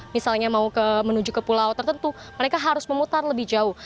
misalnya mau menuju ke pulau tertentu mereka harus memutar lebih jauh